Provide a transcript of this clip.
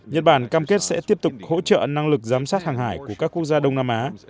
nhật bản cam kết sẽ tiếp tục hỗ trợ năng lực giám sát hàng hải của các quốc gia đông nam á